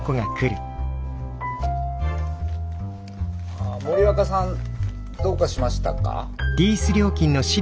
ああ森若さんどうかしましたか？